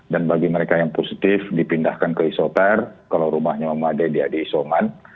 dan bagi mereka yang positif dipindahkan ke isopar kalau rumahnya memadai dia di isoman